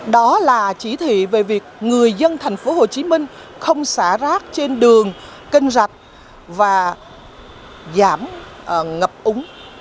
đó là chỉ thị về việc người dân tp hcm không xả rác trên đường kênh rạch và giảm ngập úng